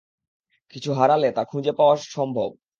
কিছু হারালে, তা খুঁজে পাওয়া সম্ভব।